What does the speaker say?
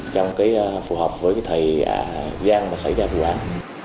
trong cái phù hợp với cái thời gian mà xảy ra vụ án